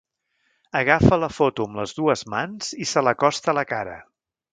Agafa la foto amb les dues mans i se l'acosta a la cara.